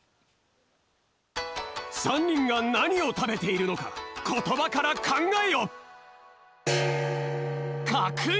３にんがなにをたべているのかことばからかんがえよ！